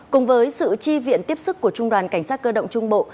cùng với sự chi viện tiếp sức của trung đoàn cảnh sát cơ động trung bộ